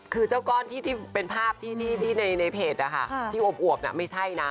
คือเจ้าก้อนที่เป็นภาพที่ในเพจที่อวบไม่ใช่นะ